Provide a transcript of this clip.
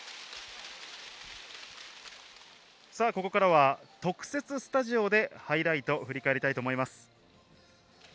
ここからは特設スタジオでハイライトで振り返っていきたいと思います。